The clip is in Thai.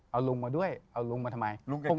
เอาลุงมาด้วยเอาลุงมาทำไม